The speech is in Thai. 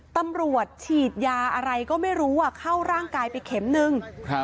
ตำรวจฉีดยาอะไรก็ไม่รู้เข้าร่างกายไปเข็มนึง